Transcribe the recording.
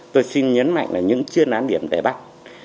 tôi xin nhấn mạnh là những chuyên án điểm để bắt